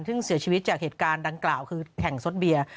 ซึ่งเสียชีวิตจากเหตุการณ์ดังกล่าวคือแห่งสดเบียร์